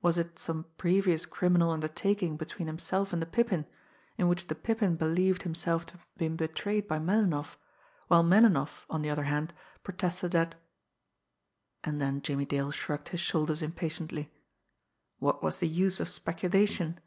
Was it some previous criminal undertaking between himself and the Pippin, in which the Pippin believed himself to have been betrayed by Melinoff, while Melinoff, on the other hand, protested that and then Jimmie Dale shrugged his shoulders impatiently. What was the use of speculation?